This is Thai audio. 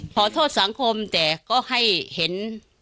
ขอโทษสังคมแต่ก็ให้เห็น